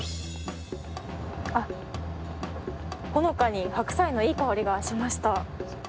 ほのかに白菜のいい香りがしました。